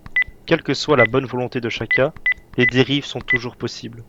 Quelle que soit la bonne volonté de chacun, les dérives sont toujours possibles.